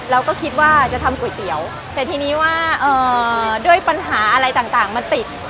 เราก็คิดว่าจะทำก๋วยเตี๋ยวแต่ทีนี้ว่าด้วยปัญหาอะไรต่างมันติด